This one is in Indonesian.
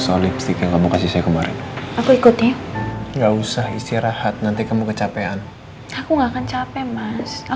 apa kamu masih mau jadi anak papa